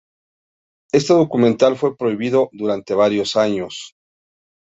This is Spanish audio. Este documental fue prohibido durante varios años.